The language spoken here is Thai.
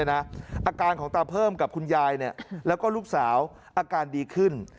อาการของตาเพิ่มกับคุณยายแล้วก็ลูกสาวอาการดีขึ้น